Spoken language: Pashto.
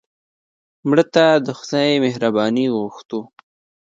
مړه ته د خدای مهرباني غوښتو